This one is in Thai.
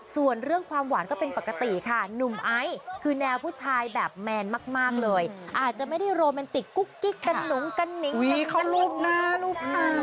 ส่วนเรื่องความหวานก็เป็นปกติค่ะหนุ่มไอซ์คือแนวผู้ชายแบบแมนมากเลยอาจจะไม่ได้โรแมนติกกุ๊กกิ๊กกันหนุงกันนิงให้เขารูปหน้ารูปตา